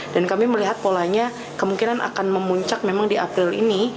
dan kami melihat polanya kemungkinan akan memuncak memang di april ini